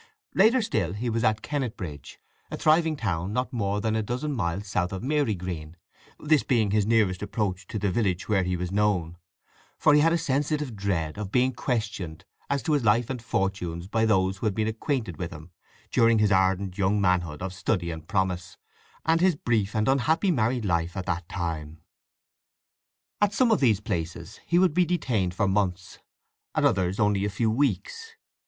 Later still he was at Kennetbridge, a thriving town not more than a dozen miles south of Marygreen, this being his nearest approach to the village where he was known; for he had a sensitive dread of being questioned as to his life and fortunes by those who had been acquainted with him during his ardent young manhood of study and promise, and his brief and unhappy married life at that time. At some of these places he would be detained for months, at others only a few weeks.